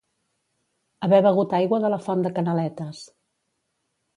Haver begut aigua de la font de Canaletes.